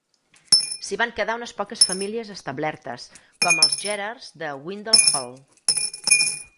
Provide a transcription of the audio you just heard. S'hi van quedar unes poques famílies establertes, com els Gerards de Windle Hall.